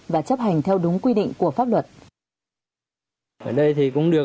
và chấp hành theo đúng quy định của pháp luật